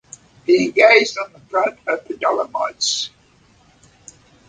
He engaged on the front of the Dolomites.